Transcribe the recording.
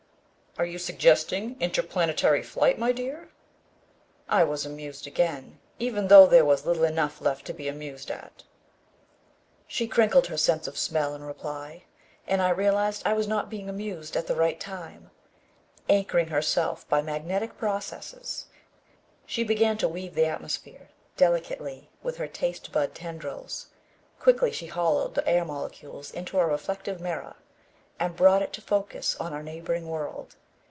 "Are you suggesting interplanetary flight, my dear?" I was amused again, even though there was little enough left to be amused at. She crinkled her sense of smell in reply, and I realized I was not being amused at the right time. Anchoring herself by magnetic processes, she began to weave the atmosphere delicately with her taste bud tendrils. Quickly she hollowed the air molecules into a reflective mirror, and brought it to focus on our neighboring world.